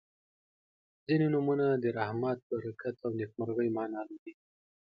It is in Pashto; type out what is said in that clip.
• ځینې نومونه د رحمت، برکت او نیکمرغۍ معنا لري.